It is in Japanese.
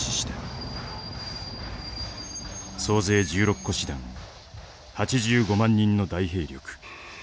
総勢１６個師団８５万人の大兵力。